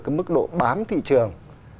cái mức độ bám thị trường